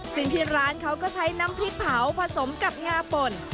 ซึ่งที่ร้านเขาก็ใช้น้ำพริกเผาผสมกับงาป่น